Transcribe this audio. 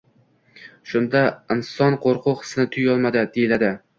shunda inson qo‘rquv hissini tuymaydi, deyiladi.